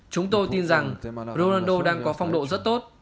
chúng tôi tin rằng ronaldo đang có phong độ rất tốt